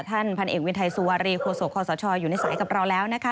ท่านพันเอกวินไทยสุวารีโคศกคอสชอยู่ในสายกับเราแล้วนะคะ